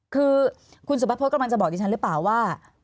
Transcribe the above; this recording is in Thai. คือคุณสุพัฒพฤษกำลังจะบอกดิฉันหรือเปล่าว่า